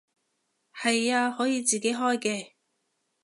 係啊，可以自己開嘅